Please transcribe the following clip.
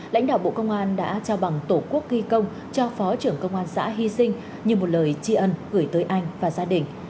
lãnh đạo bộ công an đã trao bằng tổ quốc ghi công cho phó trưởng công an xã hy sinh như một lời tri ân gửi tới anh và gia đình